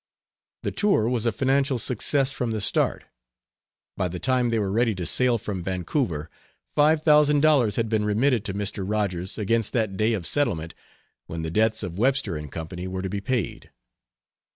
The tour was a financial success from the start. By the time they were ready to sail from Vancouver five thousand dollars had been remitted to Mr. Rogers against that day of settlement when the debts of Webster & Co. were to be paid.